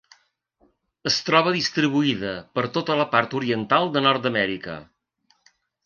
Es troba distribuïda per tota la part oriental de Nord-amèrica.